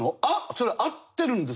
それ会ってるんですか？